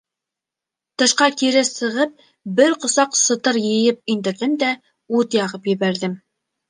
Тышҡа кире сығып, бер ҡосаҡ сытыр йыйып индерҙем дә ут яғып ебәрҙем.